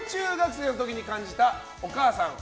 生の時に感じたお母さん？？？